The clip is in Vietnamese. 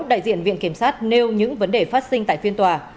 đại diện viện kiểm sát nêu những vấn đề phát sinh tại phiên tòa